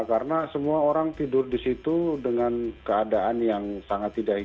karena semua orang tidur di situ dengan keadaan yang sangat tidak